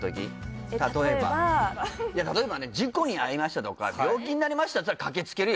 例えば例えばいや例えばね事故に遭いましたとか病気になりましただったら駆けつけるよ